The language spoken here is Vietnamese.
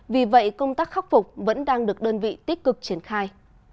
vì vậy công tác khắc phục vẫn đang được đơn vị tích cực triển khai